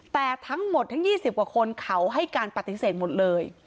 แต่ทั้งหมดทั้ง๒๐กว่าคนเขาให้การปฏิเสธหมดเลย